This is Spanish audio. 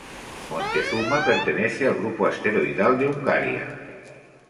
Montezuma pertenece al grupo asteroidal de Hungaria.